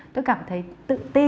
tôi cảm thấy tự ti